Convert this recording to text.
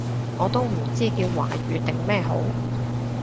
我都唔知叫華語定咩好